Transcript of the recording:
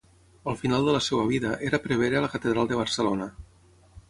Al final de la seva vida, era prevere a la catedral de Barcelona.